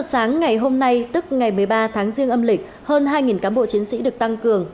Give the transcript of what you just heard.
tám h sáng ngày hôm nay tức ngày một mươi ba tháng riêng âm lịch hơn hai cám bộ chiến sĩ được tăng cường